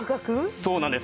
そうなんですはい。